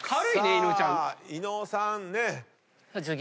伊野尾さんねっ。